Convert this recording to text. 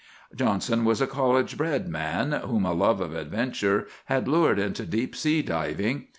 "Johnson was a college bred man, whom a love of adventure had lured into deep sea diving.